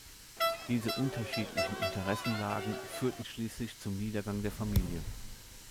Diese unterschiedlichen Interessenlagen führten schließlich zum Niedergang der Familie.